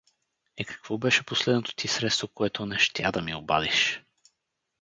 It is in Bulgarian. — Е, какво беше последното ти средство, което не щя да ми обадиш?